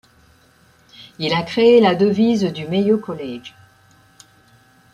Il a créé la devise du Mayo College.